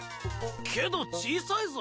けど小さいぞ？